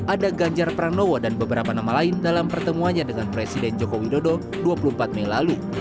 ada ganjar pranowo dan beberapa nama lain dalam pertemuannya dengan presiden joko widodo dua puluh empat mei lalu